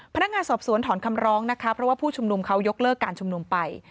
พนักงานสอบสวนถอนคำร้องนะคะเพราะว่าผู้ชุมนุมเขายกเลิกการชุมนุมไป